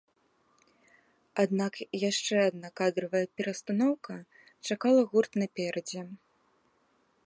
Аднак яшчэ адна кадравая перастаноўка чакала гурт наперадзе.